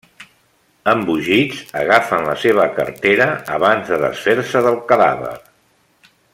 Embogits, agafen la seva cartera abans de desfer-se del cadàver.